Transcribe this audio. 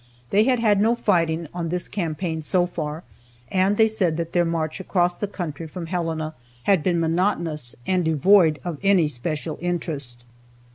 They had had no fighting on this campaign, so far, and they said that their march across the country from Helena had been monotonous and devoid of any special interest.